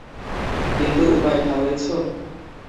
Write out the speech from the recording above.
কিন্তু উপায় ঠাউরেছ?